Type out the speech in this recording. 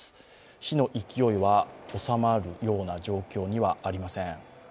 火の勢いは収まるような状況にはありません。